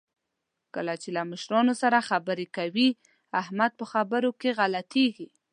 کله چې له مشرانو سره خبرې کوي، احمد په خبرو کې غلطېږي.